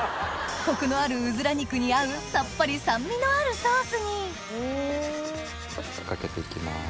コクのあるうずら肉に合うさっぱり酸味のあるソースにかけて行きます。